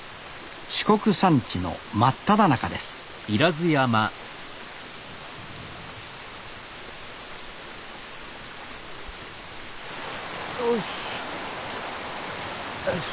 四国山地の真っただ中ですよしっ。